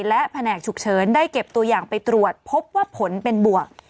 และแผนกฉุกเฉินได้เก็บตัวอย่างไปตรวจพบว่าผลเป็นบวก